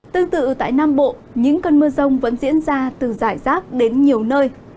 tương tự tại nam bộ những cơn mưa rông vẫn diễn ra từ giải rác đến nhiều nơi